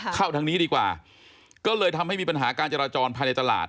เข้าทางนี้ดีกว่าก็เลยทำให้มีปัญหาการจราจรภายในตลาด